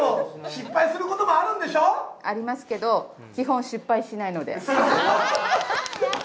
失敗することもあるんでしょう？ありますけど、基本、失敗しないので。